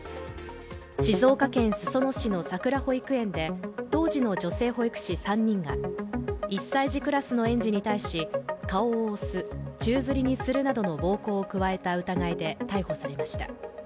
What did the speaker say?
静岡県裾野市のさくら保育園で当時の女性保育士３人が１歳児クラスの園児に対し、顔を押す、宙づりにするなどの暴行を加えた疑いで逮捕されました。